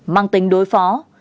mang tính đối phó